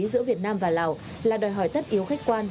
giữa việt nam và lào là đòi hỏi tất yếu khách quan